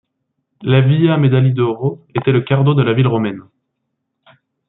La Via Medaglie d'Oro était le Cardo de la ville romaine.